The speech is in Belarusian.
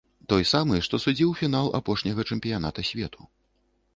Той самы, што судзіў фінал апошняга чэмпіяната свету.